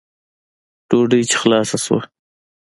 ډوډۍ چې خلاصه سوه.